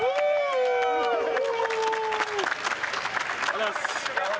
ありがとうございます。